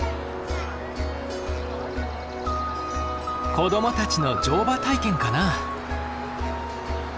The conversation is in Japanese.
子どもたちの乗馬体験かな？